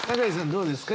どうですか？